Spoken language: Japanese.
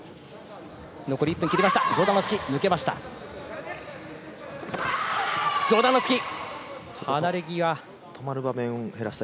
残り１分を切りました。